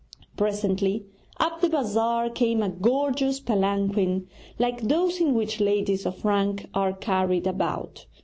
Presently up the bazaar came a gorgeous palanquin like those in which ladies of rank are carried about.